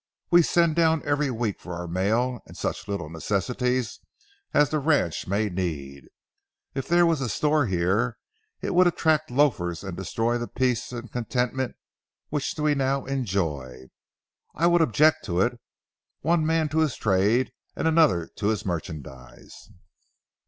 We send down every week for our mail and such little necessities as the ranch may need. If there was a store here, it would attract loafers and destroy the peace and contentment which we now enjoy. I would object to it; 'one man to his trade and another to his merchandise.'"